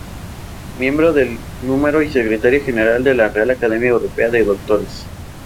Miembro de número y Secretaria General de la Real Academia Europea de Doctores.